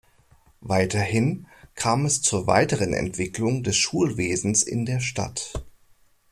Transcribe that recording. Weiterhin kam es zur weiteren Entwicklung des Schulwesens in der Stadt.